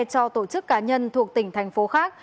cho tổ chức cá nhân thuộc tỉnh thành phố khác